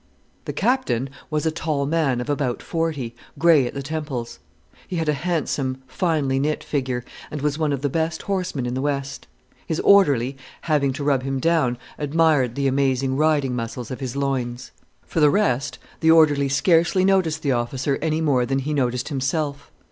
The Captain was a tall man of about forty, grey at the temples. He had a handsome, finely knit figure, and was one of the best horsemen in the West. His orderly, having to rub him down, admired the amazing riding muscles of his loins. For the rest, the orderly scarcely noticed the officer any more than he noticed himself.